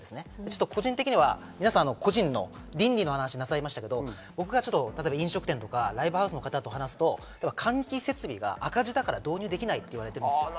個人的には皆さん、個人の倫理の話をなさいましたけど、僕は飲食店とかライブハウスの方と話すと、換気設備が赤字だから導入できないという意見が出る。